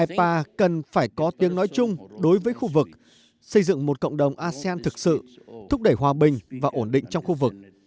ipa cần phải có tiếng nói chung đối với khu vực xây dựng một cộng đồng asean thực sự thúc đẩy hòa bình và ổn định trong khu vực